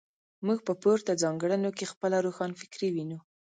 موږ په پورته ځانګړنو کې خپله روښانفکري وینو.